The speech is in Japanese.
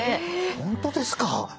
本当ですか！